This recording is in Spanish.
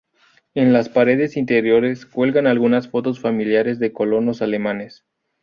En las paredes interiores cuelgan algunas fotos familiares de colonos alemanes.